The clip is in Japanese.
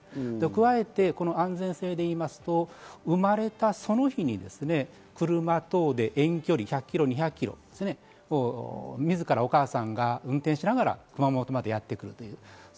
加えて安全性でいうと生まれたその日に車等で遠距離１００キロ、２００キロを自らお母さんが運転しながら、熊本までやってくる。